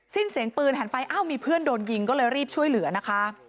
สิ้นเสียงปืนหันไปอ้าวมีเพื่อนโดนยิงก็เลยรีบช่วยเหลือนะคะ